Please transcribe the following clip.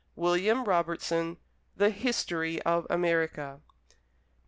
William Robertson: "The History of America."